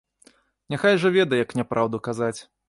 Няхай жа ведае, як няпраўду казаць.